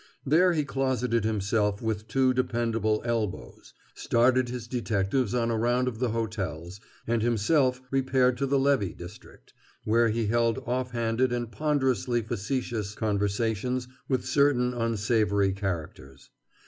There he closeted himself with two dependable "elbows," started his detectives on a round of the hotels, and himself repaired to the Levee district, where he held off handed and ponderously facetious conversations with certain unsavory characters.